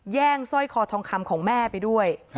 สร้อยคอทองคำของแม่ไปด้วย